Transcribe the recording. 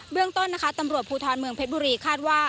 เรื่องต้นนะคะตำรวจภูทรเมืองเพชรบุรีคาดว่า